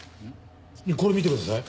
これ見てください。